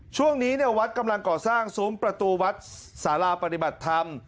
ช่วงนี้วัดกำลังก่อสร้างซุ้มประตูวัดสาราปฏิบัติธรรม